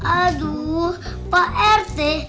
aduh pak rete